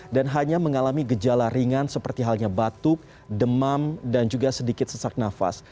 dan hanya mengalami gejala ringan seperti halnya batuk demam dan juga sedikit sesak nafas